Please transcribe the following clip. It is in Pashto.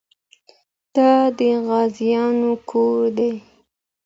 دا د غازيانو کور دی.